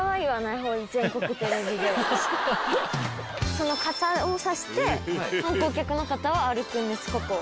その傘を差して観光客の方は歩くんですここを。